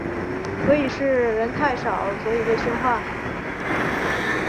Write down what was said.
所以是人太少所以被训话？